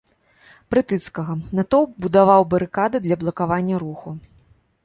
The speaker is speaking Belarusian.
Прытыцкага, натоўп будаваў барыкады для блакавання руху.